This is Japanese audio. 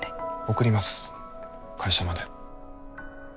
送ります会社まで。